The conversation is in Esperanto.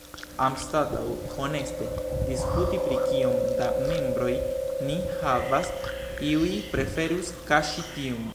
Anstataŭ honeste diskuti pri kiom da membroj ni havas, iuj preferus kaŝi tiun.